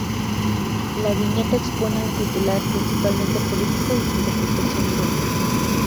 La viñeta expone un titular, principalmente político, y su interpretación irónica.